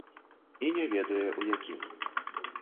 І не ведае, у якім.